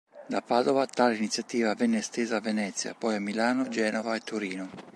Da Padova tale iniziativa venne estesa a Venezia, poi a Milano, Genova e Torino.